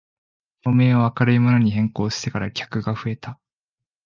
照明を明るいものに変更してから客が増えた